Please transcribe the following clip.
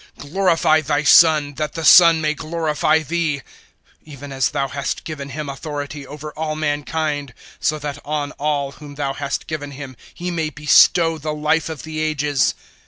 Glorify Thy Son that the Son may glorify Thee; 017:002 even as Thou hast given Him authority over all mankind, so that on all whom Thou hast given Him He may bestow the Life of the Ages.